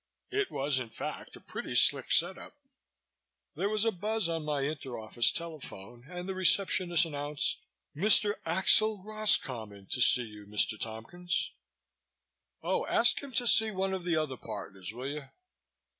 It was, in fact, a pretty slick set up. There was a buzz on my inter office telephone and the receptionist announced: "Mr. Axel Roscommon to see you, Mr. Tompkins." "Oh, ask him to see one of the other partners, will you?"